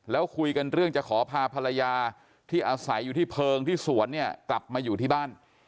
แล้วคุยกันเรื่องจะขอพาภรรยาที่อาศัยอยู่ที่เพลิงที่สวนเนี่ยกลับมาอยู่ที่บ้าน